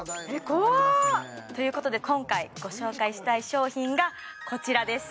怖ということで今回ご紹介したい商品がこちらです